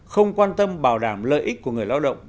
không quan tâm bảo đảm lợi ích của người lao động